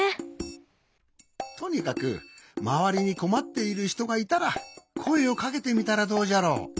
とにかくまわりにこまっているひとがいたらこえをかけてみたらどうじゃろ。